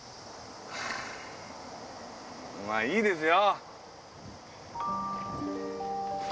まぁいいですよ！